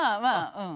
うん。